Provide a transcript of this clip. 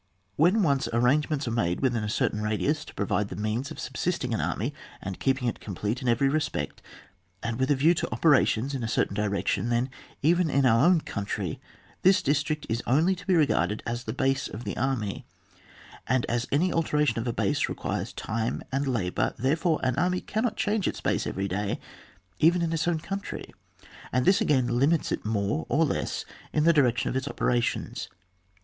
When once arrangements are made within a certain radius to provide the means of subsisting an army and keep ing it complete in every respect, and with a view to operations in a certain direction, then, even in our own country, this district only is to be regarded as the base of the army; and as any alteration of a base requires time and labour, therefore an army cannot change its base every day, even in its own country, and this again limits it always more or less in the direction of its operations.